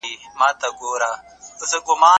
پخوا به خلګو د پیښو په اړه افسانې جوړولې.